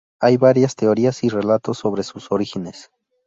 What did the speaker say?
Hay varias teorías y relatos sobre sus orígenes.